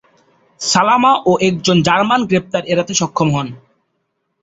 সালামা ও একজন জার্মান গ্রেপ্তার এড়াতে সক্ষম হন।